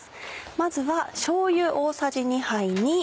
まずはしょうゆ大さじ２杯に。